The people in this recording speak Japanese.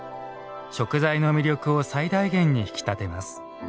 食材の魅力を最大限に引き立てます。